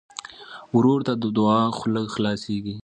ورور ته د دعا خوله خلاصيږي.